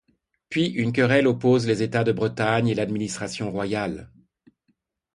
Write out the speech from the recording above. Puis une querelle oppose les États de Bretagne et l’administration royale.